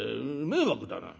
迷惑だな。